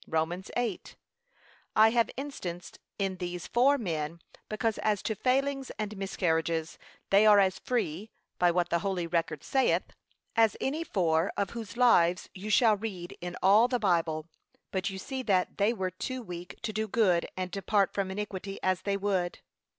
(Rom. 8) I have instanced in these four men, because as to failings and miscarriages they are as free by what the holy record saith as any four of whose lives you shall read in all the Bible; but you see that they were too weak to do good and depart from iniquity as they would.